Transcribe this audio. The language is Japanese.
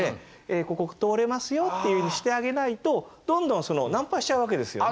ここ通れますよっていうふうにしてあげないとどんどん難破しちゃうわけですよね。